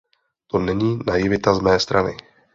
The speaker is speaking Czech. To není naivita z mé strany.